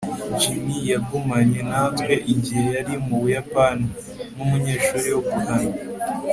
jim yagumanye natwe igihe yari mu buyapani nkumunyeshuri wo guhana